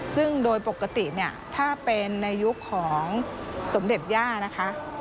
ซึ่งโดยปกติเนี่ยถ้าเป็นในยุคของสมเด็จย่านะคะ